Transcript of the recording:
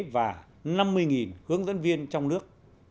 và năm mươi hướng dẫn viên trong nước